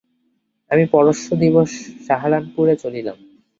আমি পরশ্ব দিবস সাহারানপুরে চলিলাম।